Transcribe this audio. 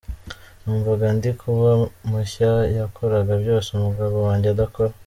Numvaga ndi kuba mushya, yakoraga byose umugabo wanjye adakora.